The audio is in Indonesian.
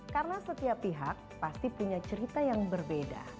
karena setiap pihak pasti punya cerita yang berbeda